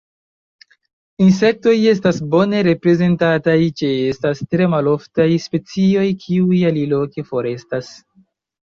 Insektoj estas bone reprezentataj: ĉeestas tre maloftaj specioj kiuj aliloke forestas.